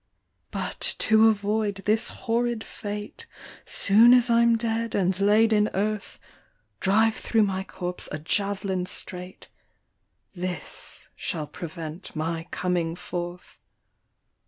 " But to avoid this horrid fate, Soon as I'm dead and laid in earth, Drive thro' my corpse a jav'lin straight; — This shall prevent mv coming forth.